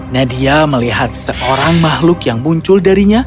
nadia melihat seorang makhluk yang muncul darinya